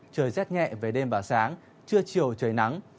trời rét nhẹ về đêm và sáng trưa chiều trời nắng